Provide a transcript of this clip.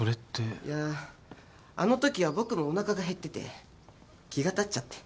いやぁあのときは僕もおなかが減ってて気が立っちゃって。